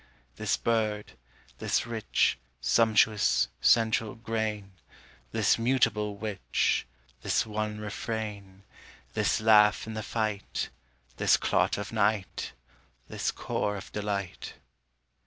This bird, this rich, Sumptuous central grain, This mutable witch, This one refrain, This laugh in the fight, This clot of night, This core of delight.